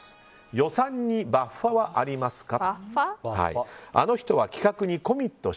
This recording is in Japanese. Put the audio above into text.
予算にバッファはありますか？